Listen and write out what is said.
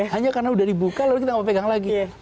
hanya karena udah dibuka lalu kita nggak mau pegang lagi